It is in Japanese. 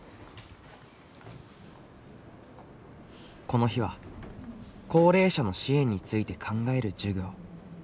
この日は高齢者の支援について考える授業。